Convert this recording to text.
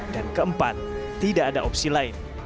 dan keempat tidak ada opsi lain